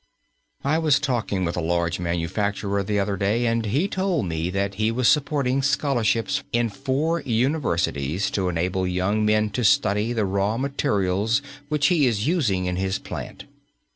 I was talking with a large manufacturer the other day, and he told me that he was supporting scholarships in four universities to enable young men to study the raw materials which he is using in his plant.